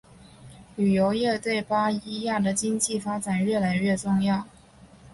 旅游业对巴伊亚的经济发展越来越重要。